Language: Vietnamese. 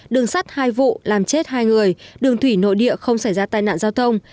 đường sắt hai vụ làm chết hai người đường thủy nội địa không xảy ra tai nạn giao thông